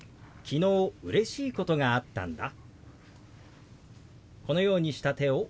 「昨日うれしいことがあったんだ」。